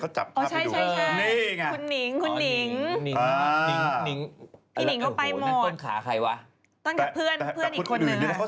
คนห้างล่างเนี่ยไปเกี่ยวกับเรากับเค้าอีกแล้ว